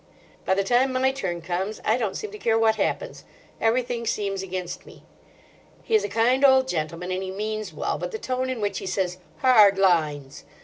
By the time my turn comes I don't seem to care what happens: everything seems against me. He is a kind old gentleman and he means well, but the tone in which he says "Hard lines!"